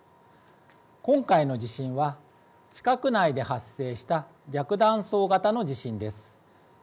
今回の地震が地殻内で発生した逆断層型の地震です。